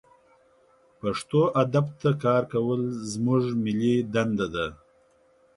پښتو ادب ته کار کول زمونږ ملي دنده ده